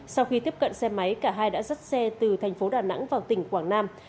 sau khi tiếp cận xe máy cả hai đã dắt xe từ tp đà nẵng vào tỉnh quảng nam